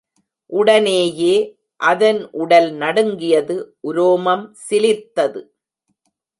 உடனேயே, அதன் உடல் நடுங்கியது உரோமம் சிலிர்த்தது.